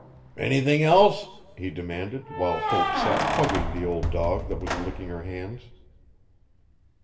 'Anything else?' he demanded while Hope sat hugging the old dog that was licking her hands.